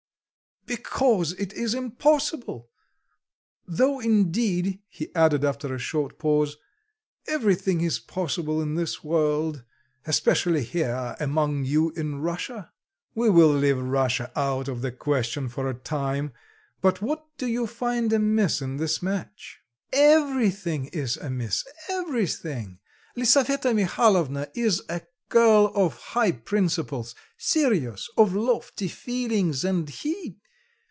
"Because it is impossible. Though, indeed," he added after a short pause, "everything is possible in this world. Especially here among you in Russia." "We will leave Russia out of the question for a time; but what do you find amiss in this match?" "Everything is amiss, everything. Lisaveta Mihalovna is a girl of high principles, serious, of lofty feelings, and he...